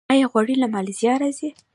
آیا غوړي له مالیزیا راځي؟